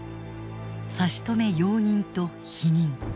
差し止め容認と否認。